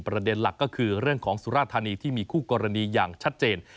ประเด็นหลักก็คือเรื่องของสุราธานีที่มีคู่กรณีอย่างชัดเจน